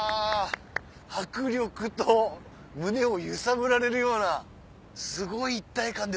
迫力と胸を揺さぶられるようなすごい一体感ですね。